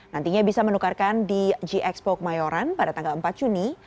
nantinya bisa menukarkan di gxpo kemayoran pada tanggal empat juni